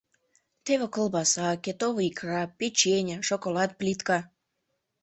Теве колбаса, кетовый икра, печенье, шоколад плитка...